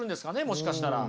もしかしたら。